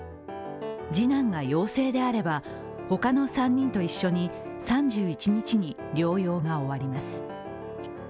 次男が陽性であれば、ほかの３人と一緒に３１日に療養が終わります。